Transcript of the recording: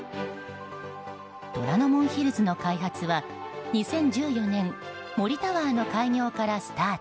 虎ノ門ヒルズの開発は２０１４年、森タワーの開業からスタート。